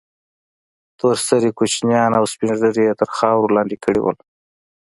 تور سرې كوچنيان او سپين ږيري يې تر خاورو لاندې كړي وو.